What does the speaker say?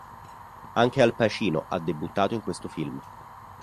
Anche Al Pacino ha debuttato in questo film.